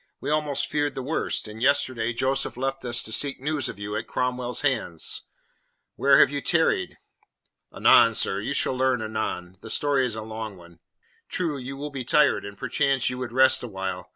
"We almost feared the worst, and yesterday Joseph left us to seek news of you at Cromwell's hands. Where have you tarried?" "Anon, sir; you shall learn anon. The story is a long one." "True; you will be tired, and perchance you would first rest a while.